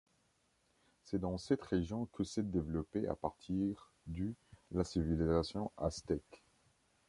C'est dans cette région que s'est développée à partir du la civilisation aztèque.